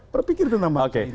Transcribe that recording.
berpikir tentang bangsa ini